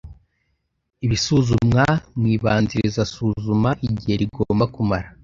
Ibisuzumwa mu ibanzirizasuzuma igihe rigomba kumara